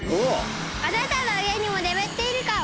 あなたの家にも眠っているかも？